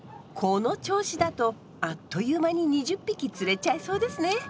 この調子だとあっという間に２０匹釣れちゃいそうですね。